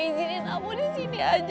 injilin aku disini aja